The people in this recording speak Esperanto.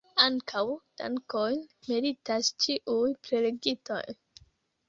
Ankaŭ dankojn meritas ĉiuj prelegintoj.